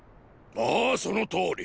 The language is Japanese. ああそのとおり！